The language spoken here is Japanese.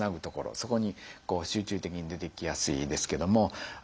そこに集中的に出てきやすいですけども。